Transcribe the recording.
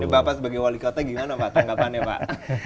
bapak sebagai wali kota gimana pak tanggapannya pak